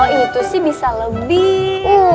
oh itu sih bisa lebih